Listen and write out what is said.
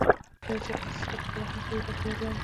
کله چې هر څه ستا په خلاف مخته ځي دا په یاد لره.